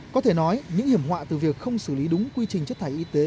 có thể nói những hiểm họa từ việc không xử lý đúng quy trình chất thải y tế